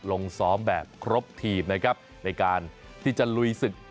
ลงซ้อมแบบครบทีมนะครับในการที่จะลุยศึก